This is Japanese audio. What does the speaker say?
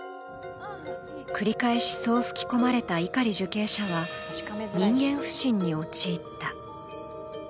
繰り返しそう吹き込まれた碇受刑者は人間不信に陥った。